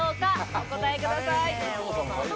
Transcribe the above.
お答えください。